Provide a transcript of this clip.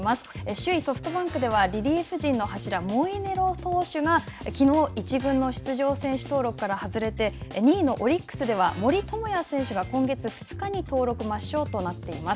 首位ソフトバンクではリリーフ陣の柱モイネロ投手がきのう１軍の出場選手登録から外れて、２位のオリックスでは森友哉選手が今月２日に登録抹消となっています。